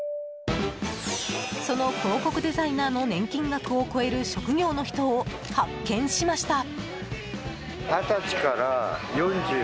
その広告デザイナーの年金額を超える職業の人を発見しました。